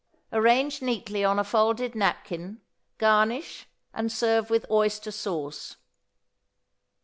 Arrange neatly on a folded napkin, garnish, and serve with oyster sauce.